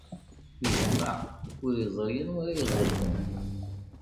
Ijemmeɛ, ur iẓri anwa ara iɣellten.